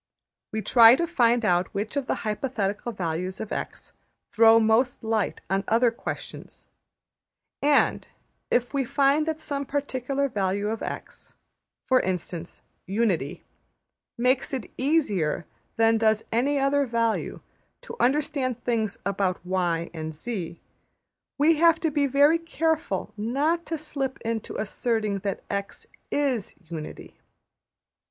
We try to find out which of the hypothetical values of $x$ throw most light on other questions, and if we find that some particular value of $x$ for instance, unity makes it easier than does any other value to understand things about $y$ and $z$, we have to be very careful not to slip into asserting that $x$ \emph{is} unity.